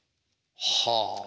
はあ。